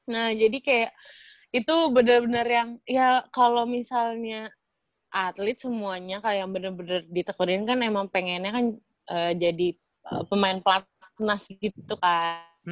nah jadi kayak itu bener bener yang ya kalau misalnya atlet semuanya kalau yang bener bener ditekurin kan emang pengennya kan jadi pemain pelatnas gitu kan